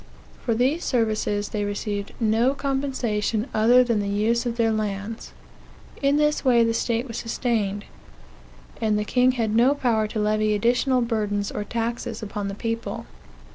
For these services they received no compensation other than the use of their lands. In this way the state was sustained; and the king had no power to levy additional burdens or taxes upon the people.